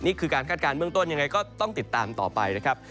นี่คือการคาดการณเบื้องต้นยังไงก็ต้องติดตามต่อไปนะครับ